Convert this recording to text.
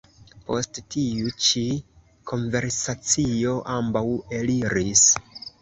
Post tiu ĉi konversacio ambaŭ eliris.